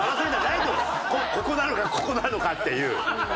ここなのかここなのかっていう。